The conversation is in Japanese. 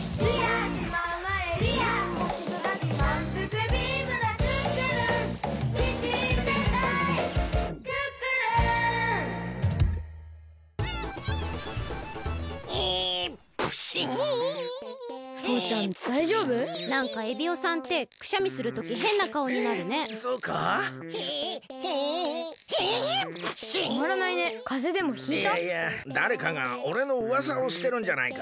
いやいやだれかがおれのうわさをしてるんじゃないか？